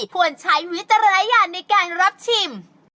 ควรใช้วิจารณญาณในการรับชิม